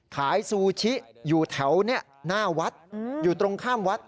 ซูชิอยู่แถวหน้าวัดอยู่ตรงข้ามวัด